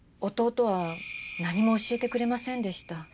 弟は何も教えてくれませんでした。